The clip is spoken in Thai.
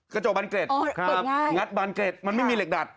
กระจกบานเกร็ดงัดบานเกร็ดมันไม่มีเหล็กดัด